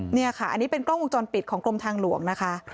นี่ค่ะอันนี้เป็นกล้องวงจรปิดของกรมทางหลวงนะคะ